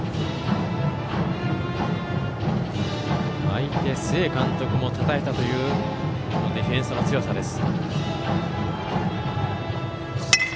相手、須江監督もたたえたというディフェンスの強さです。